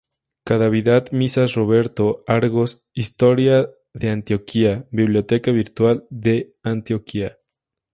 Cadavid Misas Roberto, Argos, Historia de Antioquia, Biblioteca Virtual de Antioquia.